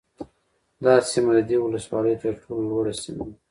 دا سیمه د دې ولسوالۍ ترټولو لوړه سیمه ده